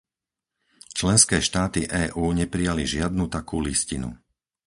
Členské štáty EÚ neprijali žiadnu takú listinu.